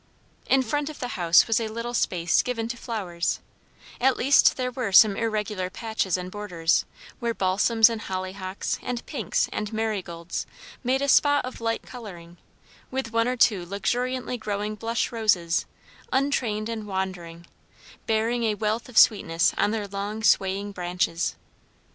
In front of the house was a little space given to flowers; at least there were some irregular patches and borders, where balsams and hollyhocks and pinks and marigolds made a spot of light colouring; with one or two luxuriantly growing blush roses, untrained and wandering, bearing a wealth of sweetness on their long, swaying branches.